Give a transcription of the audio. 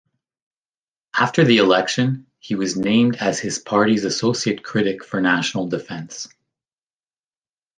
After the election, he was named as his party's associate critic for National Defense.